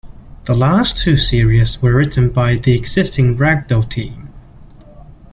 The last two series were written by the existing Ragdoll team.